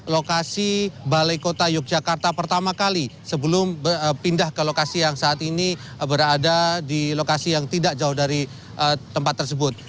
lokasi balai kota yogyakarta pertama kali sebelum pindah ke lokasi yang saat ini berada di lokasi yang tidak jauh dari tempat tersebut